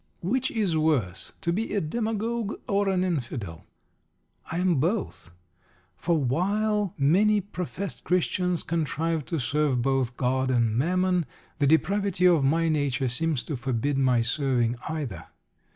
Which is worse, to be a Demagogue or an Infidel? I am both. For while many professed Christians contrive to serve both God and Mammon, the depravity of my nature seems to forbid my serving either.